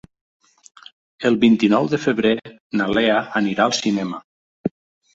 El vint-i-nou de febrer na Lea anirà al cinema.